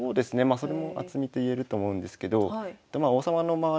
それも厚みといえると思うんですけど王様の周りにここら辺。